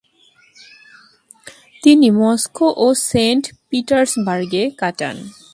তিনি মস্কো ও সেন্ট পিটার্সবার্গে কাটান।